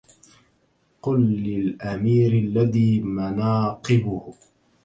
قل للأمير الذي مناقبه